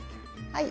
はい。